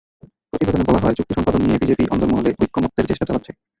প্রতিবেদনে বলা হয়, চুক্তি সম্পাদন নিয়ে বিজেপি অন্দরমহলে ঐকমত্যের চেষ্টা চালাচ্ছে।